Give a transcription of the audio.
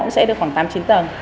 nó sẽ được khoảng tám chín tầng